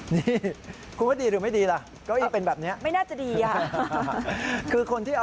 นี่คุณว่าดีหรือไม่ดีล่ะเก้าอี้เป็นแบบนี้